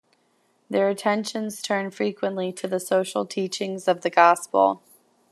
Their attentions turned frequently to the social teachings of the Gospel.